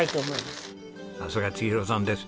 さすが千尋さんです。